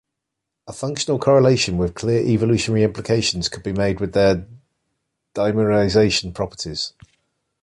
A functional correlation with clear evolutionary implications could be made with their dimerization properties.